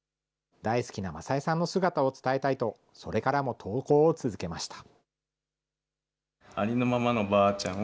大好きなマサ江さんの姿を伝えたいと、それからも投稿を続けました。